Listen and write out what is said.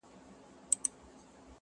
• ډېر ماهر وو په کتار کي د سیالانو -